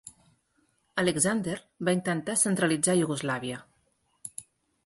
Alexander va intentar centralitzar Iugoslàvia.